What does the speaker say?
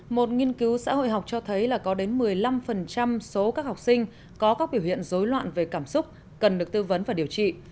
một nghiên cứu xã hội học cho thấy là có đến một mươi năm số các học sinh có các biểu hiện dối loạn về cảm xúc cần được tư vấn và điều trị